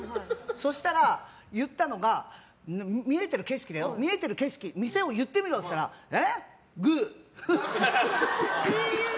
そうしたら、言ったのが見えている景色店を言ってみろって言ったらえ？